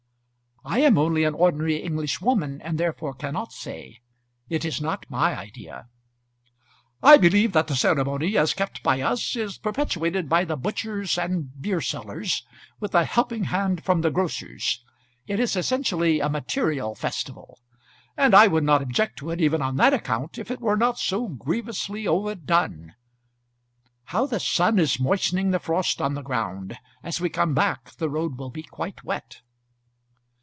"I am only an ordinary Englishwoman and therefore cannot say. It is not my idea." "I believe that the ceremony, as kept by us, is perpetuated by the butchers and beersellers, with a helping hand from the grocers. It is essentially a material festival; and I would not object to it even on that account if it were not so grievously overdone. How the sun is moistening the frost on the ground. As we come back the road will be quite wet."